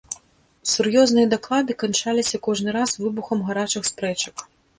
Сур'ёзныя даклады канчаліся кожны раз выбухам гарачых спрэчак.